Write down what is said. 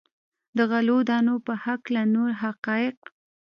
د غلو دانو په هکله نور حقایق.